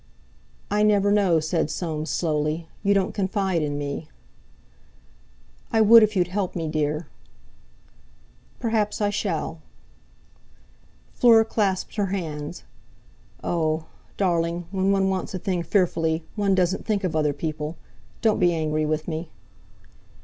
"I never know!" said Soames slowly; "you don't confide in me." "I would, if you'd help me, dear." "Perhaps I shall." Fleur clasped her hands. "Oh! darling—when one wants a thing fearfully, one doesn't think of other people. Don't be angry with me."